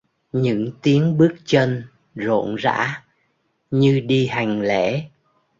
Những tiếng bước chân rộn rã như đi hành lễ